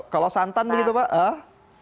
kalau santan begitu bapak